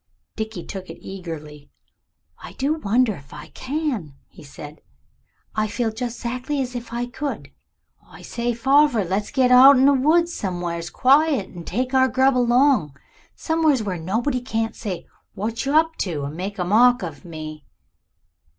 Dickie took it eagerly. "I do wonder if I can," he said. "I feel just exactly like as if I could. I say, farver, let's get out in the woods somewheres quiet and take our grub along. Somewheres where nobody can't say, 'What you up to?' and make a mock of me."